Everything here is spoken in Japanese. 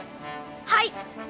はい！